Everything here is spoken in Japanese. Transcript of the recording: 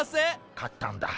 買ったんだ。